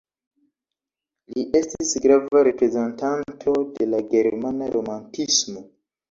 Li estis grava reprezentanto de la germana romantismo.